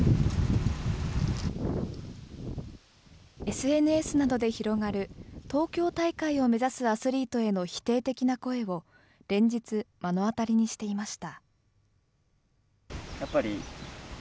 ＳＮＳなどで広がる東京大会を目指すアスリートへの否定的な声を、連日、目の当たりにしていました。